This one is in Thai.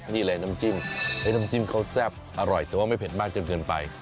นี่เลยน้ำจิ้มน้ำจิ้มเขาแซ่บอร่อยแต่ว่าไม่เผ็ดมากจนเกินไป